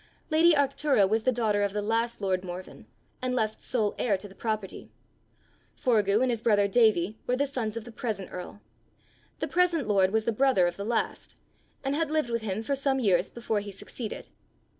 Lady Arctura was the daughter of the last lord Morven, and left sole heir to the property; Forgue and his brother Davie were the sons of the present earl. The present lord was the brother of the last, and had lived with him for some years before he succeeded.